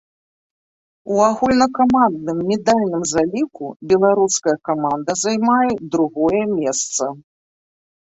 У агульнакамандным медальным заліку беларуская каманда займае другое месца.